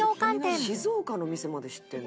「静岡の店まで知ってんの？」